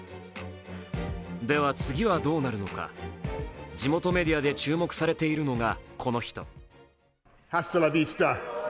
では次はどうなるのか、地元メディアで注目されているのがこの人。